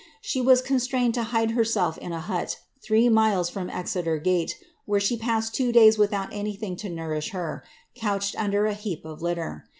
She was constrained > hide herself in a hut^ three miles from Exeter gate, where she passed ro dayv without anything to nourish her, couched under a heap of tier.'